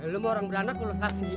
lo mau orang beranak gue saksiin